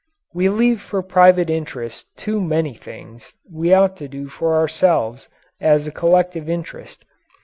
We leave for private interest too many things we ought to do for ourselves as a collective interest.